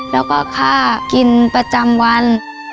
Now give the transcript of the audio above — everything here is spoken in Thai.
แล้วก็ค่ากินประจำวัน